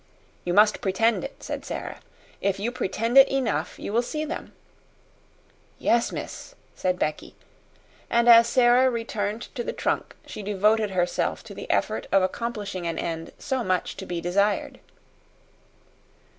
"You must pretend it," said Sara. "If you pretend it enough, you will see them." "Yes, miss," said Becky; and as Sara returned to the trunk she devoted herself to the effort of accomplishing an end so much to be desired.